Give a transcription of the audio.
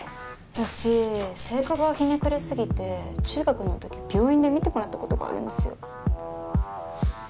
私性格がひねくれすぎて中学の時病院で診てもらった事があるんですよ。